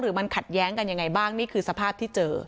มันขัดแย้งกันยังไงบ้างนี่คือสภาพที่เจอ